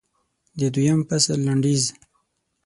د دویم فصل لنډیز